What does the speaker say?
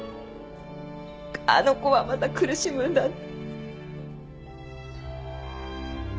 あの子はまた苦しむんだって。